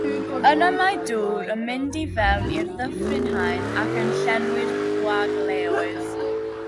Yna mae dŵr yn mynd i mewn i'r ddyfrhaen ac yn llenwi'r gwagleoedd.